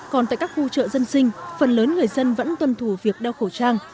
còn tại các khu chợ dân sinh phần lớn người dân vẫn tuân thủ việc đeo khẩu trang